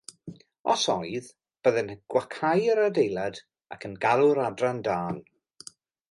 Os oedd, byddent yn gwacáu'r adeilad ac yn galw'r adran dân.